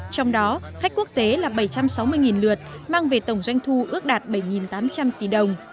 trong đó khách quốc tế là bảy trăm sáu mươi lượt mang về tổng doanh thu ước đạt bảy tám trăm linh tỷ đồng